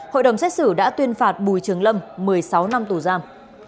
hội đồng xét xử đã tuyên phạt bùi trường lâm một mươi sáu năm tù giam